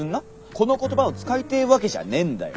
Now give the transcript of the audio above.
この言葉を使いてーわけじゃあねーんだよ。